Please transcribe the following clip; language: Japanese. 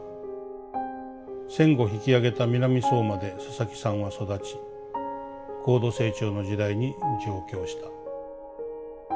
戦後引き揚げた南相馬で佐々木さんは育ち高度成長の時代に上京した。